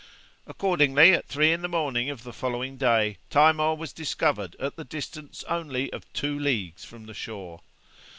Accordingly at three in the morning of the following day Timor was discovered at the distance only of two leagues from the shore.